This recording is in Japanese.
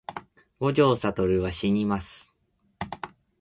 五条悟はしにます